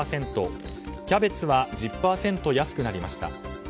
キャベツは１０％安くなりました。